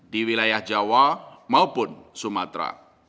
di wilayah jawa maupun sumatera